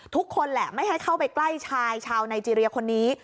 ทุกคนแหละไม่ให้เข้าไปใกล้ชายชาวไนเจรียคนนี้